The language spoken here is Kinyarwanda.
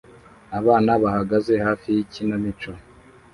Abana bahagaze hafi yikinamico